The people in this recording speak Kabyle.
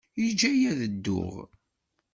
Yeǧǧa-iyi ad dduɣ.